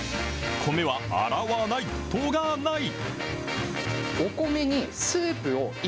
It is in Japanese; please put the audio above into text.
米は洗わない、研がない。